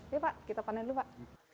yuk pak kita panen dulu pak